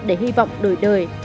để hy vọng đổi đời